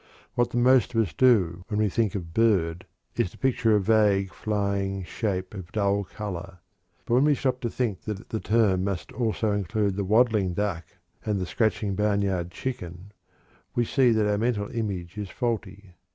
What the most of us do, when we think of "bird," is to picture a vague, flying shape of dull color; but when we stop to think that the term must also include the waddling duck and the scratching barnyard chicken, we see that our mental image is faulty.